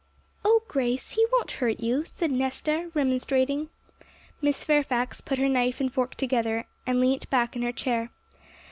'Oh, Grace, he won't hurt you!' said Nesta, remonstrating. Miss Fairfax put her knife and fork together, and leant back in her chair.